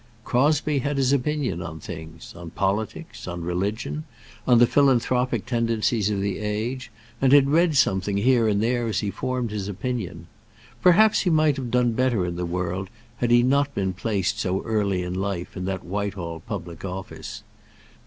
Crosbie had his opinion on things, on politics, on religion, on the philanthropic tendencies of the age, and had read something here and there as he formed his opinion. Perhaps he might have done better in the world had he not been placed so early in life in that Whitehall public office.